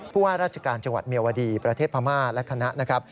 พวกราชการจังหวัดเมียวาดีประเทศพม่าและคณะ